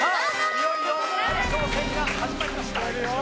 いよいよ大将戦が始まりました。